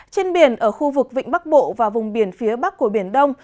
trên biển ở khu vực vịnh bắc bộ và vùng biển phía bắc của biển đông